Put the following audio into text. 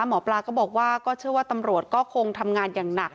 หมอปลาก็บอกว่าก็เชื่อว่าตำรวจก็คงทำงานอย่างหนัก